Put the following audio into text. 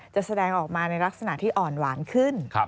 จะแสดงออกมาในลักษณะที่อ่อนหวานขึ้น